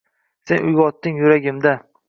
Sen uyg’otding yuragimda